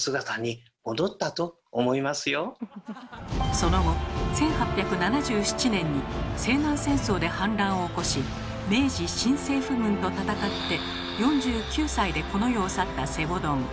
その後１８７７年に西南戦争で反乱を起こし明治新政府軍と戦って４９歳でこの世を去った西郷どん。